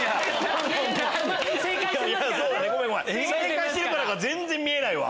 正解してるからか全然見えないわ。